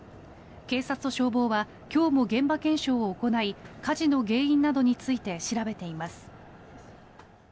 警察と消防は今日も現場検証を行い火事の原因などについて調べています。